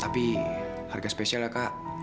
tapi harga spesial ya kak